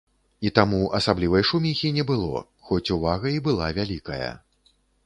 І таму асаблівай шуміхі не было, хоць увага і была вялікая.